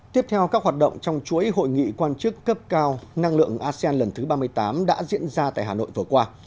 tiếp theo các hoạt động trong chuỗi hội nghị quan chức cấp cao năng lượng asean lần thứ ba mươi tám đã diễn ra tại hà nội vừa qua